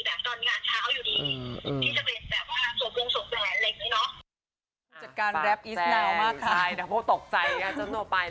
แต่เราคิดว่าเราจัดแค่ในครอบครัวเชิญผู้ใหญ่มาทานข้าว